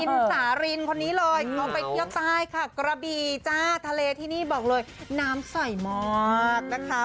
สารินคนนี้เลยเขาไปเที่ยวใต้ค่ะกระบีจ้าทะเลที่นี่บอกเลยน้ำใสมากนะคะ